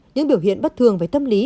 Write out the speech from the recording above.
những biểu hiện bất thường với tâm lý